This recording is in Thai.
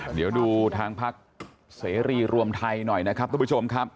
เดี๋ยวดูทางพักเสรีรวมไทยหน่อยนะครับทุกผู้ชมครับ